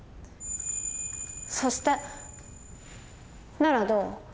「そして」ならどう？